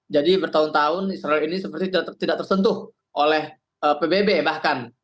jadi bertahun tahun israel ini seperti tidak tersentuh oleh pbb bahkan